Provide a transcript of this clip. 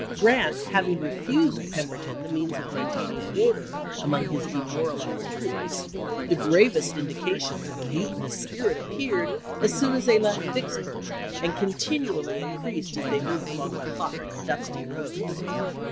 Grant having refused Pem berton the means of maintaining order among his demoralized troops, the gravest indications of a mutinous spirit appeared as soon as they left Vicks burg, and continually increased as they moved along the hot and dusty roads.